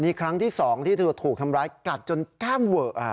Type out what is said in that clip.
นี่ครั้งที่๒ที่เธอถูกทำร้ายกัดจนกล้ามเวอะ